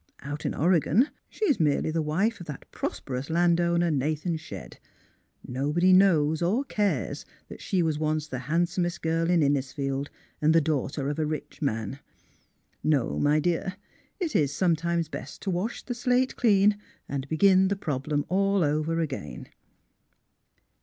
*' Out in Oregon she is merely the wife of that prosperous land owner, Nathan Shedd. Nobody 50 THE HEART OF PHILURA knows or cares that she was once the handsomest girl in Innisfield, and the daughter of a rich man. No, my dear, it is sometimes best to wash the slate clean and begin the problem all over again."